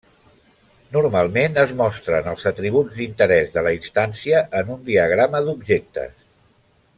Normalment es mostren els atributs d'interès de la instància en un diagrama d'objectes.